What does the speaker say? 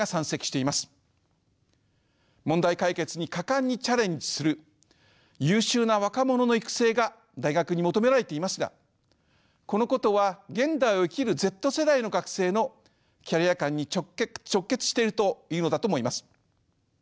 問題解決に果敢にチャレンジする優秀な若者の育成が大学に求められていますがこのことは現代を生きるＺ世代の学生のキャリア感に直結しているというのだと思います。